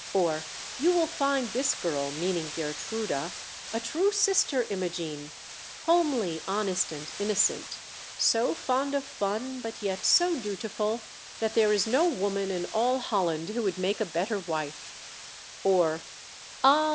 or "You will find this girl," meaning Geertruida, "a true sister, Imogene, homely, honest and innocent, so fond of fun but yet so dutiful, that there is no woman in all Holland who would make a better wife;" or " Ah